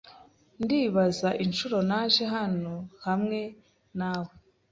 Ndibaza inshuro naje hano hamwe na we.